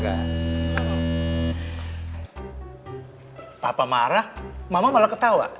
kalau kamu marah saya malah ketawa